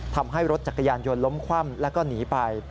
ทำให้รถจักรยานยนต์ล้มคว่ำแล้วก็หนีไป